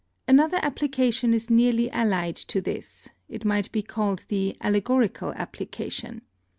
Another application is nearly allied to this; it might be called the allegorical application.